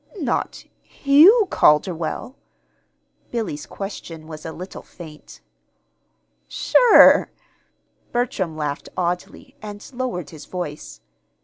"Not Hugh Calderwell?" Billy's question was a little faint. "Sure!" Bertram laughed oddly, and lowered his voice.